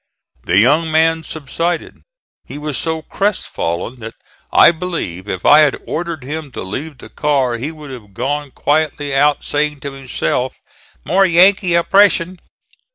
The young man subsided. He was so crestfallen that I believe if I had ordered him to leave the car he would have gone quietly out, saying to himself: "More Yankee oppression."